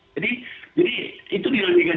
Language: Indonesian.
jadi itu dinamikan